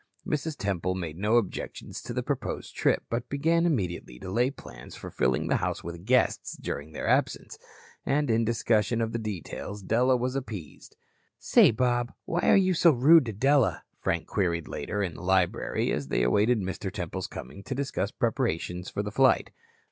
Mrs. Temple made no objections to the proposed trip, but began immediately to lay plans for filling the house with guests during their absence. And in discussion of the details, Della was appeased. "Say, Bob, why are you so rude to Della?" Frank queried later, in the library, as they awaited Mr. Temple's coming to discuss preparations for the flight.